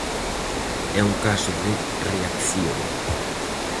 É un caso de reacción.